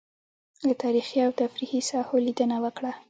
له تاريخي او تفريحي ساحو لېدنه وکړه.